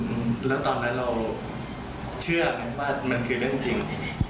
แล้วตอนนั้นเราเชื่อไหมว่ามันคือเรื่องจริง